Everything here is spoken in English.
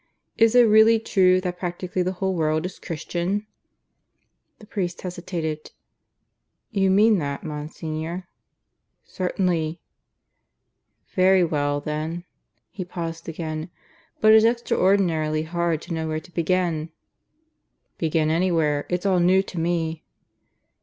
Is it really true that practically the whole world is Christian?" The priest hesitated. "You mean that, Monsignor?" "Certainly." "Very well, then." He paused again. "But it's extraordinarily hard to know where to begin." "Begin anywhere. It's all new to me."